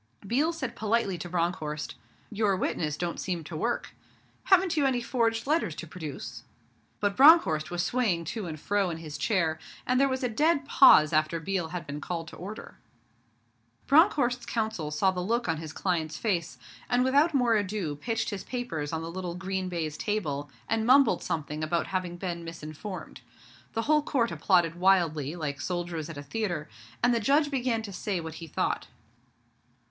Biel said politely to Bronckhorst, 'Your witnesses don't seem to work. Haven't you any forged letters to produce?' But Bronckhorst was swaying to and fro in his chair, and there was a dead pause after Biel had been called to order. Bronckhorst's Counsel saw the look on his client's face, and without more ado pitched his papers on the little green baize table, and mumbled something about having been misinformed. The whole Court applauded wildly, like soldiers at a theatre, and the Judge began to say what he thought.